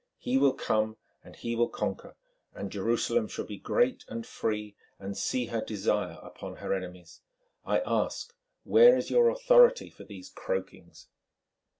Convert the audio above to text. He will come, and he will conquer, and Jerusalem shall be great and free and see her desire upon her enemies. I ask—where is your authority for these croakings?"